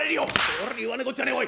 「ほら言わねえこっちゃねえおい！